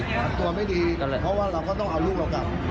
ทำตัวไม่ดีเพราะว่าเราก็ต้องเอาลูกเรากลับ